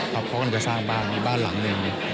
เขาก็ก็จะสร้างบ้านหลังนึง